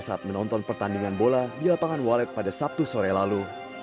saat menonton pertandingan bola di lapangan walet pada sabtu sore lalu